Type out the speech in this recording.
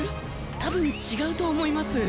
たぶん違うと思います。